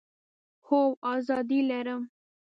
هو، آزادي لرم